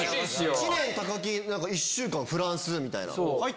知念木一週間フランスみたいな。